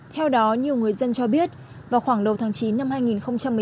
theo đó nhiều người dân cho biết vào khoảng đầu tháng chín năm hai nghìn một mươi tám